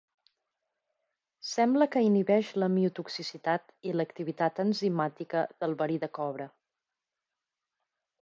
Sembla que inhibeix la miotoxicitat i l'activitat enzimàtica del verí de cobra.